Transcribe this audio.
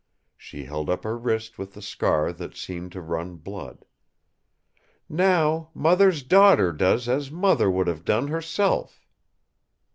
She held up her wrist with the scar that seemed to run blood. "Now, mother's daughter does as mother would have done herself!"